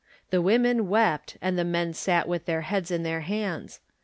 The women wept and the men sat with theur heads in their hands.